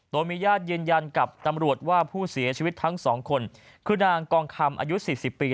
โดยมีญาติยืนยันกับตำรวจว่าผู้เสียชีวิตทั้งสองคนคือนางกองคำอายุ๔๐ปี